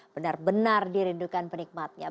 benar benar dirindukan penikmatnya